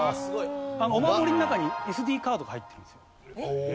お守りの中にＳＤカードが入ってるんですよ。